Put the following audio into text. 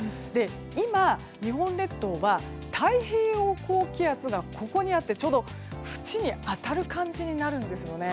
今、日本列島は太平洋高気圧がここにあって、ちょうどふちに当たる感じになるんですよね。